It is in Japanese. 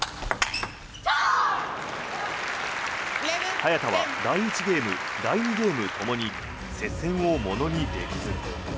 早田は第１ゲーム、第２ゲームともに接戦をものにできず。